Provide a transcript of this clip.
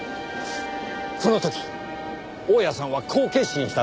その時大屋さんはこう決心したんです。